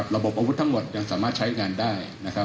ระบบอาวุธทั้งหมดยังสามารถใช้งานได้นะครับ